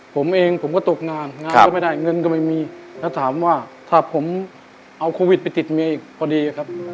ผมเองผมก็ตกงานงานก็ไม่ได้เงินก็ไม่มีแล้วถามว่าถ้าผมเอาโควิดไปติดเมียอีกพอดีครับ